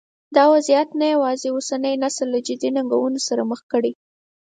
دا وضعیت نه یوازې اوسنی نسل له جدي ننګونو سره مخ کړی.